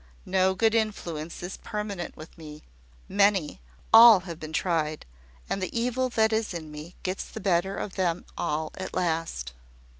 No good influence is permanent with me; many, all have been tried; and the evil that is in me gets the better of them all at last."